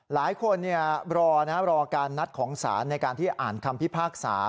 หลายคนรอรอการนัดของศาลในการที่อ่านคำพิพากษา